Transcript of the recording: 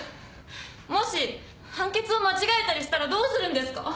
もし判決を間違えたりしたらどうするんですか。